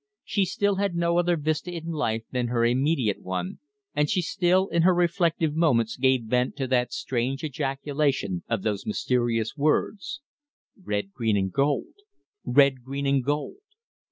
She still had no other vista in life than her immediate one, and she still in her reflective moments gave vent to that strange ejaculation of those mysterious words: "Red, green and gold! Red, green and gold!"